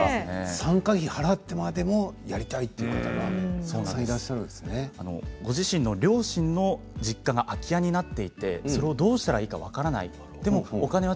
参加費を払ってまでもやりたいという方がご自身の両親の実家が空き家になっていてそれをどうしたらいいか分からない